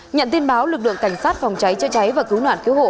nhận tin báo lực lượng cảnh sát phòng cháy chữa cháy và cứu nạn cứu hộ